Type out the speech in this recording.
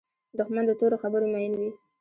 دښمن د تورو خبرو مین وي